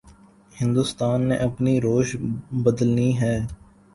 ہندوستان نے اپنی روش بدلنی ہے۔